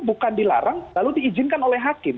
bukan dilarang lalu diizinkan oleh hakim